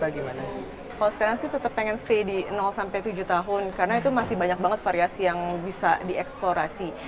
kalau sekarang sih tetap pengen stay di tujuh tahun karena itu masih banyak banget variasi yang bisa dieksplorasi